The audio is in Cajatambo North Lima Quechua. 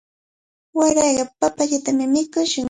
Waraqa papayatami mikushun.